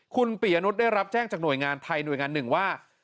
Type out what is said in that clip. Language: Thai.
คุณปียนุษย์ได้รับแจ้งจากหน่วยงานไทยหน่วยงานหนึ่งว่า